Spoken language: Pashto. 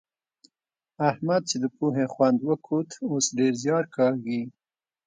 احمد چې د پوهې خوند وکوت؛ اوس ډېر زيار کاږي.